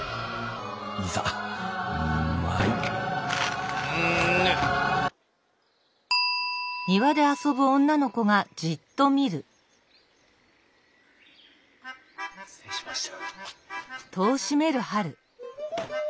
いざ参る失礼しました。